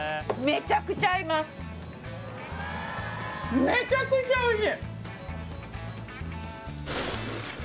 めちゃくちゃおいしい！